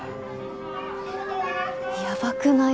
やばくない？